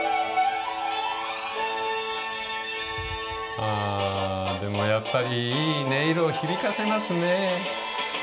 あでもやっぱりいい音色を響かせますね。